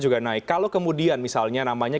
juga naik kalau kemudian misalnya namanya